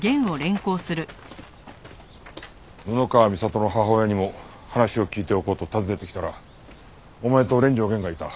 布川美里の母親にも話を聞いておこうと訪ねてきたらお前と連城源がいた。